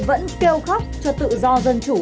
vẫn kêu khóc cho tự do dân chủ